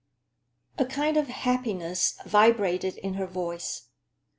A kind of happiness vibrated in her voice.